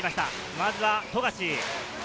まずは富樫。